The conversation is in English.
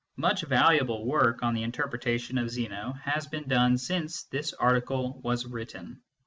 Much valuable work on the interpretation of Zeno has been done sine? this article was written.